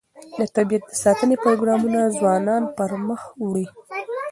د طبیعت د ساتنې پروګرامونه ځوانان پرمخ وړي.